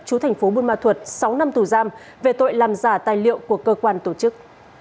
chú thành phố buôn ma thuật sáu năm tù giam về tội làm giả tài liệu của cơ quan tổ chức